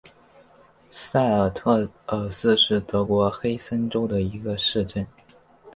塞尔特尔斯是德国黑森州的一个市镇。